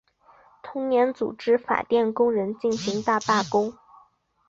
同年组织法电工人进行大罢工。